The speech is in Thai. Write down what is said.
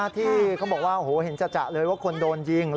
ที่เขาบอกว่าโอ้โหเห็นจัดเลยว่าคนโดนยิง